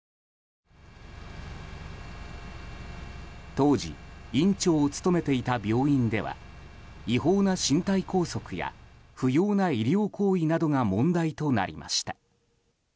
当時院長を務めていた病院では違法な身体拘束や不要な医療行為などが問題となりました。